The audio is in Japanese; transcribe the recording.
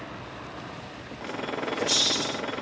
よし。